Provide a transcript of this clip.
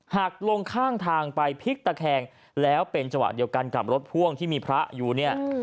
หักลงข้างทางไปพลิกตะแคงแล้วเป็นจังหวะเดียวกันกับรถพ่วงที่มีพระอยู่เนี่ย